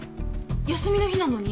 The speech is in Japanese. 休みの日なのに？